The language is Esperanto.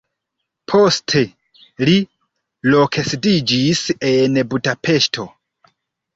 Poste li loksidiĝis en Budapeŝto.